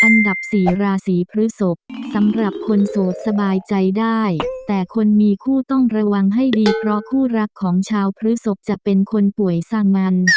อันดับสี่ราศีพฤศพสำหรับคนโสดสบายใจได้แต่คนมีคู่ต้องระวังให้ดีเพราะคู่รักของชาวพฤศพจะเป็นคนป่วยสร้างมัน